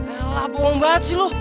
elah bohong banget sih lo